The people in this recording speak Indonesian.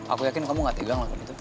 aku yakin kamu gak tegang lah kalau gitu